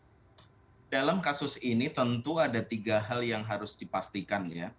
ya dalam kasus ini tentu ada tiga hal yang harus dipastikan ya